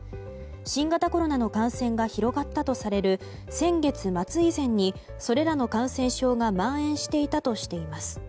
新型コロナの感染が広がったとされる先月末以前に、それらの感染症が蔓延していたとしています。